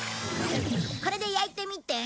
これで焼いてみて。